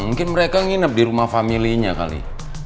mungkin mereka nginap di rumah family nya kali